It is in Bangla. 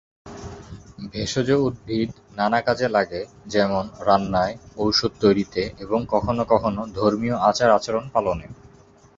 ভেষজ উদ্ভিদ নানা কাজে লাগে যেমন- রান্নায়, ঔষধ তৈরিতে, এবং কখন কখন ধর্মীয় আচার-আচরণ পালনে।